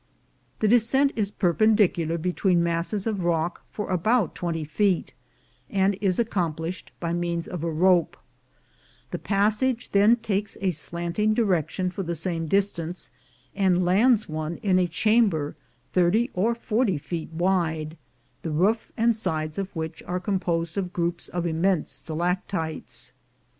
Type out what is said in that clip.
The descent is perpendicular between masses of rock for about twenty feet, and is accom plished by means of a rope; the passage then takes a slanting direction for the same distance, and lands one in a chamber thirty or forty feet wide, the roof and sides of which are composed of groups of im mense stalactites.